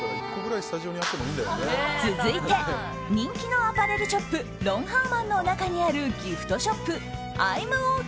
続いて人気のアパレルショップロンハーマンの中にあるギフトショップ、Ｉ’ＭＯＫ。